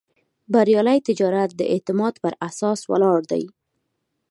بریالی تجارت د اعتماد پر اساس ولاړ دی.